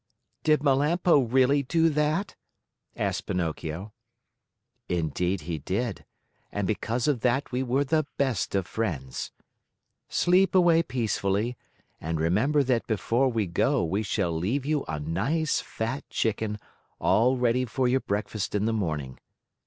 "Did Melampo really do that?" asked Pinocchio. "Indeed he did, and because of that we were the best of friends. Sleep away peacefully, and remember that before we go we shall leave you a nice fat chicken all ready for your breakfast in the morning.